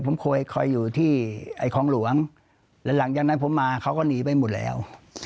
ผมเคยคอยอยู่ที่ไอ้คลองหลวงแล้วหลังจากนั้นผมมาเขาก็หนีไปหมดแล้ว